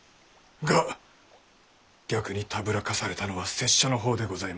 が逆にたぶらかされたのは拙者の方でございまして。